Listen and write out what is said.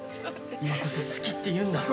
今こそ好きって言うんだ。